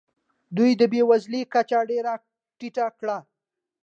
دوی د بې وزلۍ کچه ډېره ټیټه کړه.